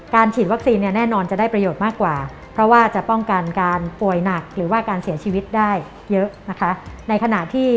การฉีดวัคซีนแน่นอนจะได้ประโยชน์มากกว่า